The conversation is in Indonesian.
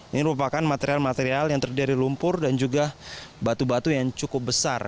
ini merupakan material material yang terdiri dari lumpur dan juga batu batu yang cukup besar